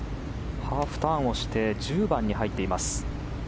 ハーフターンして１０番に入っています。